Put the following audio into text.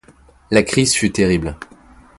La crise fut terrible.